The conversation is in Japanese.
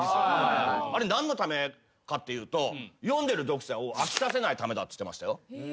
あれ何のためかっていうと読んでる読者を飽きさせないためだっつってましたよ。